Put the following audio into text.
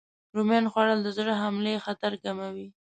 رومیان خوړل د زړه حملې خطر کموي.